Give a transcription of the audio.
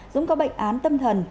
dũng có bệnh án tâm thần